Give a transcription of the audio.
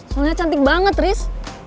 soalnya cantik banget riz